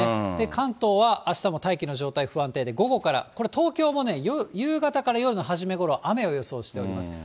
関東はあしたも大気の状態不安定で、午後から、これ東京も夕方から夜の初めごろ、雨を予想しております。